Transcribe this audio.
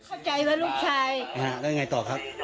อ้าวแล้วยังไงต่อครับ